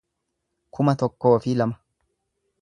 kuma tokkoo fi lama